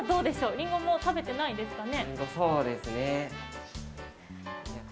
りんごも食べてないですかね。